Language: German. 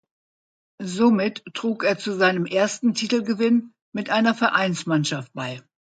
Somit trug er zu seinem ersten Titelgewinn mit einer Vereinsmannschaft bei.